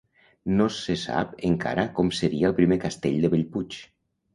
No se sap encara com seria el primer castell de Bellpuig.